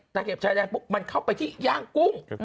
เก็บชายแดนปุ๊บมันเข้าไปที่ย่างกุ้ง